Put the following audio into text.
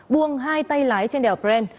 buông hai tay lái trên đèo brent